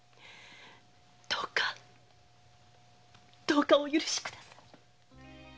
どうかどうかお許しください。